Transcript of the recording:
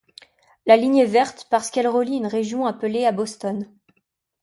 La ligne est verte parce qu'elle relie une région appelée à Boston.